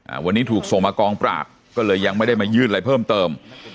วันนี้ถูกส่งมากองปราบก็เลยยังไม่ได้มายื่นอะไรเพิ่มเติม